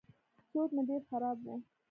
چورت مې ډېر خراب و.